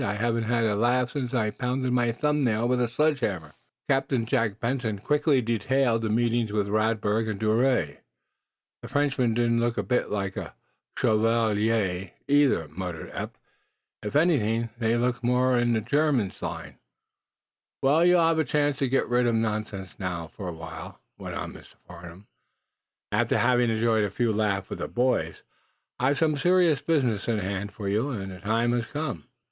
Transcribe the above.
"I haven't had a laugh since I pounded my thumbnail with a sledge hammer." Captain Jack Benson quickly detailed the meetings with Radberg and d'Ouray. "The Frenchman didn't look a bit like a 'shovelee' either," muttered Eph. "If anything, that looked more in the German's line." "Well, you'll have a chance to get rid of nonsense, now, for a while," went on Mr. Farnum, after having enjoyed a few laughs with the boys. "I've some serious business in hand for you, and the time has come."